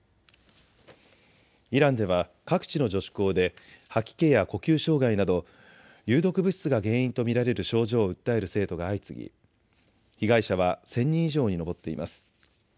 イランでは各地の女子校で吐き気や呼吸障害など有毒物質が原因と見られる症状を訴える生徒が相次ぎ、被害者は１０００人以上に上っています。